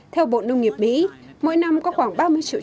theo bộ nông nghiệp mỹ mỗi năm có khoảng ba mươi triệu trẻ em